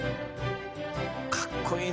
かっこいいね。